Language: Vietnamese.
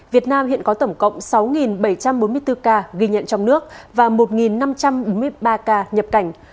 việt nam hiện có tổng cộng sáu bảy trăm bốn mươi bốn ca ghi nhận trong nước và một năm trăm bốn mươi ba ca nhập cảnh